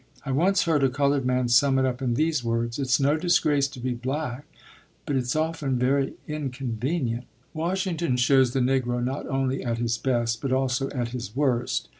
I once heard a colored man sum it up in these words: "It's no disgrace to be black, but it's often very inconvenient." Washington shows the Negro not only at his best, but also at his worst.